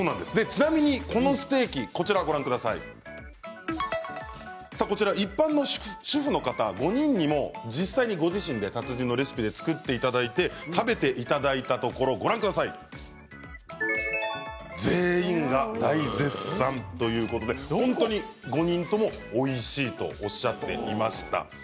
ちなみに、このステーキ一般の主婦の方、５人にも実際にご自身で達人のレシピで作っていただいて食べていただいたところ全員が、大絶賛ということで本当に５人ともおいしいとおっしゃっていました。